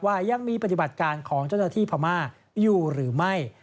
ว่ายังมีปฏิบัติการของเจ้าหน้าที่พม่าอยู่หรือไม่